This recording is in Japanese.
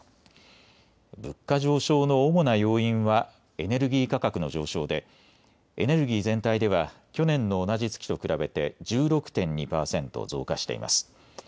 物価上昇の主な要因はエネルギー価格の上昇でエネルギー全体では去年の同じ月と比べて１６．２％増加しています。